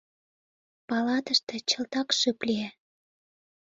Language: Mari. Палатыште чылтак шып лие.